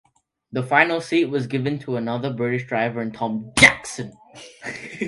The final seat was given to another British driver in Tom Jackson.